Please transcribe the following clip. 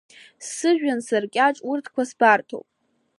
Сыжәҩан саркьаҿ урҭқа збарҭоуп.